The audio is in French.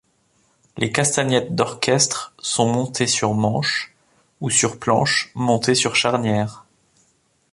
Les castagnettes d'orchestre sont montées sur manches, ou sur planches, montées sur charnières.